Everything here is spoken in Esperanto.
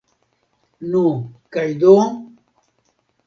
Nu, kaj do!